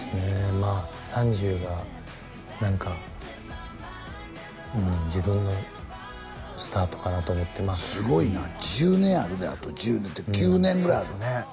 まあ３０が何かうん自分のスタートかなと思ってまあすごいな１０年あるであと１０年って９年ぐらいあるそうですよね